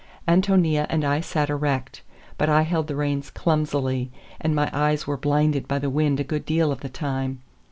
Ántonia and I sat erect, but I held the reins clumsily, and my eyes were blinded by the wind a good deal of the time.